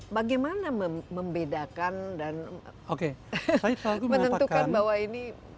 bagaimana membedakan dan menentukan bahwa ini